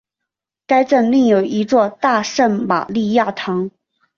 该镇另有一座大圣马利亚堂。